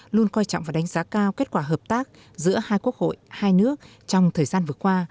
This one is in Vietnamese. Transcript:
luôn coi trọng và đánh giá cao kết quả hợp tác giữa hai quốc hội hai nước trong thời gian vừa qua